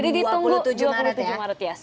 jadi ditunggu dua puluh tujuh maret ya